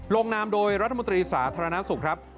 ลงนามโดยรัฐมนตรีสาธารณสุขครับ